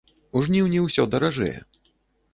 У жніўні усё даражэе.